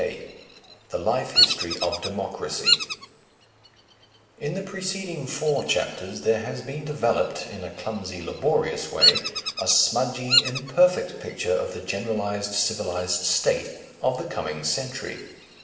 V THE LIFE HISTORY OF DEMOCRACY In the preceding four chapters there has been developed, in a clumsy laborious way, a smudgy, imperfect picture of the generalized civilized state of the coming century.